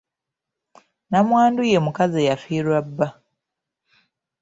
Nnamwandu ye mukazi eyafiirwa bba.